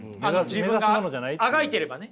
自分があがいてればね。